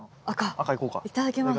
赤いただきます。